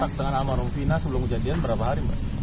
otak otak dengan amarung vina sebelum kejadian berapa hari mbak